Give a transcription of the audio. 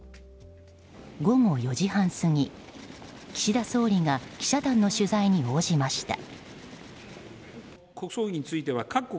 午後４時半過ぎ、岸田総理が記者団の取材に応じました。